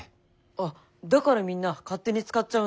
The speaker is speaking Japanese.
あっだからみんな勝手に使っちゃうんだよ。